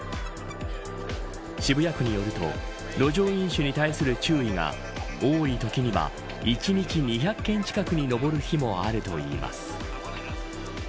渋谷区によると路上飲酒に対する注意が多いときには１日２００件近くに上る日もあるといいます。